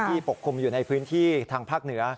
ปกคลุมอยู่ในพื้นที่ทางภาคเหนือ